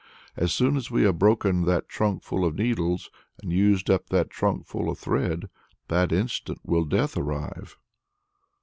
As soon as we have broken that trunkful of needles, and used up that trunkful of thread, that instant will death arrive!"